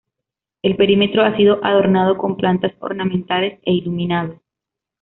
El perímetro ha sido adornado con plantas ornamentales e iluminado.